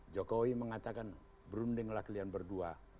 jokowi mengatakan berundinglah kalian berdua